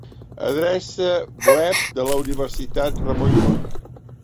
Adreça web de la Universitat Ramon Llull.